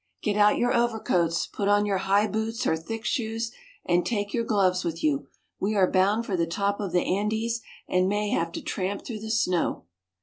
GET out your overcoats, put on your high boots or thick shoes, and take your gloves with you. We are bound for the top of the Andes, and may have to tramp through the snow.